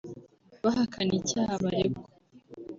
bahakana icyaha baregwa